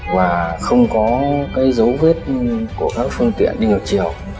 và không có cái dấu vết của các phương tiện đi ngược chiều